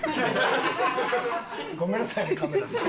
ごめんなさいねカメラさん。